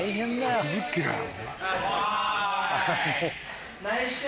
８０ｋｇやろ。